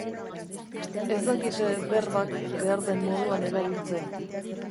Ez dakite berbak behar den moduan erabiltzen.